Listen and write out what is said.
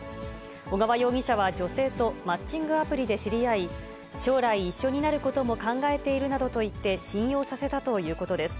小川容疑者は女性とマッチングアプリで知り合い、将来、一緒になることも考えているなどと言って、信用させたということです。